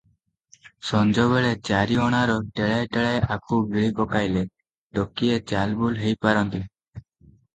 ସଞ୍ଜବେଳେ ଚାରି ଅଣାର ଟେଳାଏ ଟେଳାଏ ଆପୁ ଗିଳି ପକାଇଲେ ଟକିଏ ଚାଲବୁଲ ହେଇ ପାରନ୍ତି ।